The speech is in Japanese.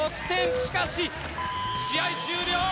しかし試合終了！